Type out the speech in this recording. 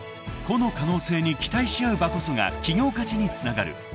［個の可能性に期待し合う場こそが企業価値につながる。